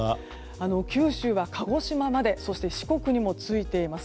九州は鹿児島までそして四国にもついています。